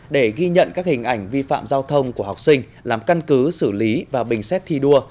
để ghi nhận các hình ảnh vi phạm giao thông của học sinh làm căn cứ xử lý và bình xét thi đua